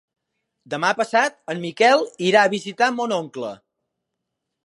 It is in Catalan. Demà passat en Miquel irà a visitar mon oncle.